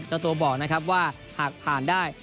เจ้าตัวบอกนะครับว่าหากผ่านได้